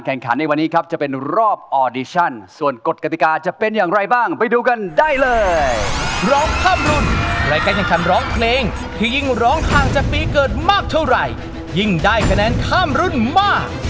เพราะที่ประสบความรักเสียงเคลงกันสู่รายยิ่งได้ขนาดข้ามรุ่นมาก